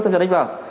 tham gia đánh vào